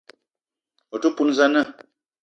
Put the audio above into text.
O te poun za na?